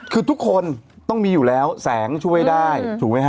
คือทุกคนต้องมีอยู่แล้วแสงช่วยได้ถูกไหมฮะ